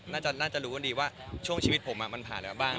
น่าจะรู้กันดีว่าช่วงชีวิตผมมันผ่านมาบ้าง